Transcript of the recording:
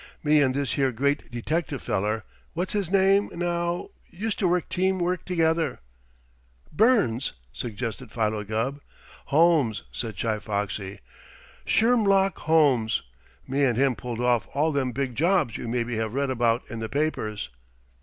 Me and this here great detective feller what's his name, now? used to work team work together." "Burns?" suggested Philo Gubb. "Holmes," said Chi Foxy, "Shermlock Holmes. Me and him pulled off all them big jobs you maybe have read about in the papers."